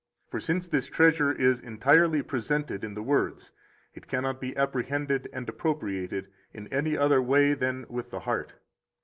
For since this treasure is entirely presented in the words, it cannot be apprehended and appropriated in any other way than with the heart.